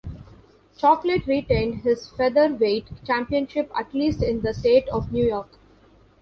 Chocolate retained his featherweight championship at least in the state of New York.